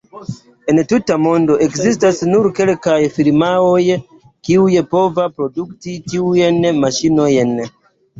En la tuta mondo ekzistas nur kelkaj firmaoj, kiuj pova produkti tiujn maŝinojn.